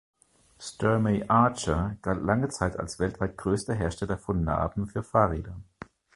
Sturmey-Archer galt lange Zeit als weltweit größter Hersteller von Naben für Fahrräder.